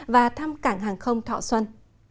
và thăm cảng hàng không thọ xuân